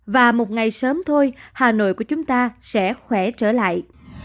và một ngày sớm thôi hà nội của chúng ta sẽ khỏe trở lại